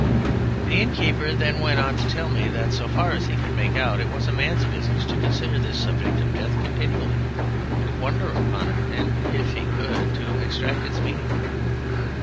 The innkeeper then went on to tell me that so far as he could make out it was a man's business to consider this subject of Death continually, to wonder upon it, and, if he could, to extract its meaning.